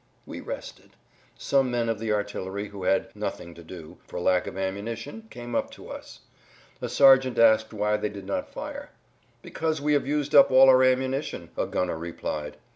We rested. Some men of the artillery who had "nothing to do" for lack of ammunition came up to us. A sergeant asked why they did not fire. "Because we have used up all our ammunition," a gunner replied.